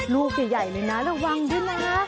ลูกใหญ่เลยนะระวังด้วยนะคะ